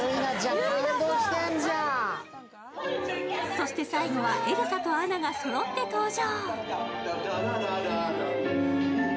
そして最後はエルサとアナがそろって登場。